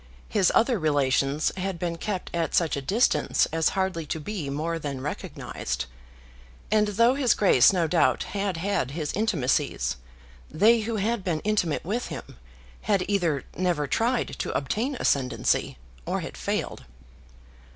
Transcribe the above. His other relations had been kept at such a distance as hardly to be more than recognised; and though his Grace no doubt had had his intimacies, they who had been intimate with him had either never tried to obtain ascendancy, or had failed.